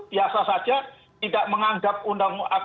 biasa saja tidak menganggap undang undang